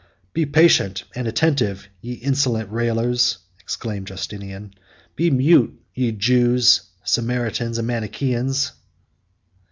"Be patient and attentive, ye insolent railers!" exclaimed Justinian; "be mute, ye Jews, Samaritans, and Manichaeans!"